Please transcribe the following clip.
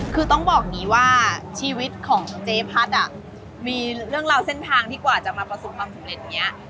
คือต้องบอกอย่างนี้ว่าชีวิตของเจ๊พัดอ่ะมีเรื่องราวเส้นทางที่กว่าจะมาประสบความสำเร็จอย่างนี้